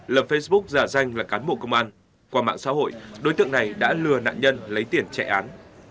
lập facebook giả danh là cán bộ công an qua mạng xã hội đối tượng này đã lừa nạn nhân lấy tiền chạy án